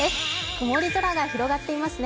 曇り空が広がっていますね。